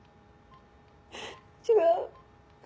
違う。